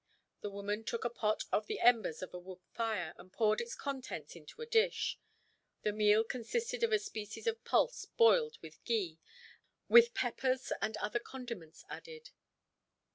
The woman took a pot off the embers of a wood fire, and poured its contents into a dish. The meal consisted of a species of pulse boiled with ghee, with peppers and other condiments added.